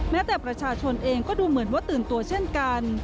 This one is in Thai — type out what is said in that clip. แม้แต่ประชาชนเองก็ดูเหมือนว่าตื่นตัวเช่นกัน